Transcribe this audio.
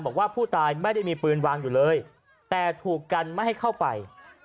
บอกว่าผู้ตายไม่ได้มีปืนวางอยู่เลยแต่ถูกกันไม่ให้เข้าไป